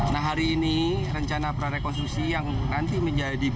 nah hari ini rencana prarekonstruksi yang nanti menjadi